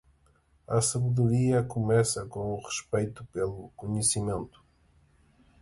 A sabedoria começa com o respeito pelo conhecimento.